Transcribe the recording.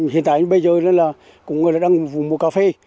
hiện tại bây giờ là cũng đang vùng mùa cà phê